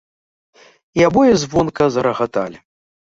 І абое звонка зарагаталі.